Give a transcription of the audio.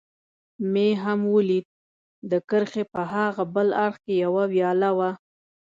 مې هم ولید، د کرښې په هاغه بل اړخ کې یوه ویاله وه.